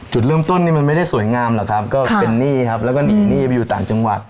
จุดเริ่มต้นนี่มันไม่ได้สวยงามหรอกครับก็เป็นหนี้ครับแล้วก็หนีหนี้ไปอยู่ต่างจังหวัด